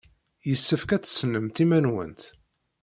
Yessefk ad tessnemt iman-nwent.